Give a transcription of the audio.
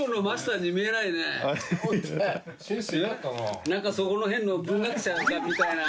覆鵑そこら辺の文学者みたいな。